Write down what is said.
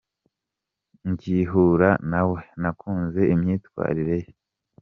Ngihura na we, nakunze imyitwarire ye.